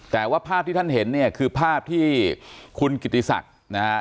แต่ว่าภาพที่ท่านเห็นเนี่ยคือภาพที่คุณกิติศักดิ์นะฮะ